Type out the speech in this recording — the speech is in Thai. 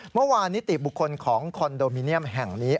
เมื่อวานนิติบุคคลของคอนโดมิเนียมแห่งนี้